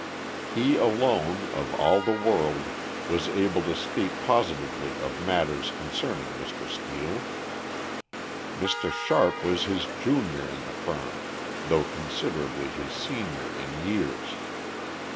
He alone, of all the world, was able to speak positively of matters concerning Mr. Steel. Mr. Sharp was his junior in the firm, though considerably his senior in years.